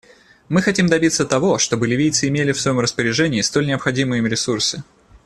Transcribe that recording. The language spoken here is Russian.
Мы хотим добиться того, чтобы ливийцы имели в своем распоряжении столь необходимые им ресурсы.